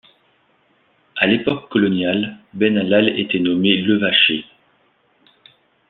À l'époque coloniale Ben Allal était nommée Levacher.